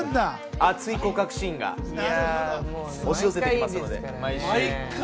熱い告白シーンが毎週押し寄せてきますんで。